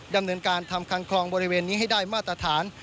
ดำเนินการทำคังคลองบริเวณนี้ให้ได้มาตรฐาน